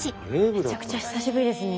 めちゃくちゃ久しぶりですね。